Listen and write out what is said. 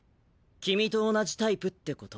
君と同じタイプって事。